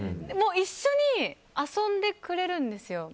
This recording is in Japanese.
一緒に遊んでくれるんですよ。